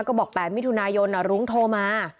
ก็บอก๘มิถุนายนรุ้งโทรมา